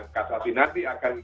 kasasi nanti akan